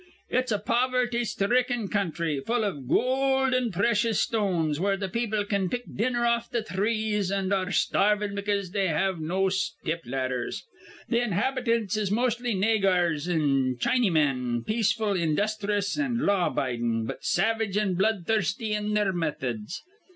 It's a poverty sthricken counthry, full iv goold an' precious stones, where th' people can pick dinner off th' threes an' ar re starvin' because they have no step ladders. Th' inhabitants is mostly naygurs an' Chinnymen, peaceful, industhrus, an' law abidin', but savage an' bloodthirsty in their methods.